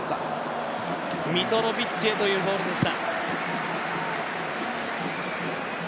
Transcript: ミトロヴィッチへというボールでした。